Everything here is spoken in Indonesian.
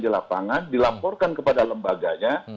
di lapangan dilaporkan kepada lembaganya